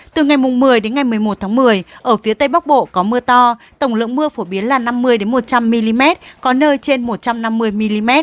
từ ngày một mươi đến ngày một mươi một tháng một mươi ở phía tây bắc bộ có mưa to tổng lượng mưa phổ biến là năm mươi một trăm linh mm có nơi trên một trăm năm mươi mm